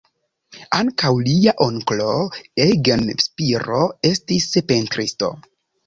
Ankaŭ lia onklo, Eugen Spiro estis pentristo.